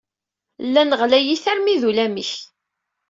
Llan ɣlayit armi d ulamek.